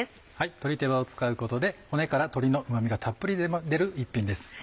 鶏手羽を使うことで骨から鶏のうま味がたっぷり出る１品です。